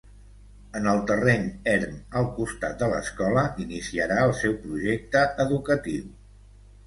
En el terreny erm al costat de l'escola iniciarà el seu projecte educatiu.